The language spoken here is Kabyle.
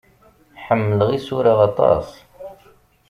Ḥemmleɣ isura aṭas.